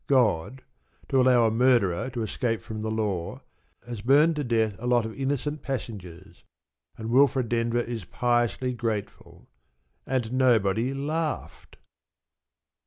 God, to allow a murderer to escape from the law, has burnt to death a lot of innocent passengers, and Wilfred Denver is piously grateful. And nobody laughed!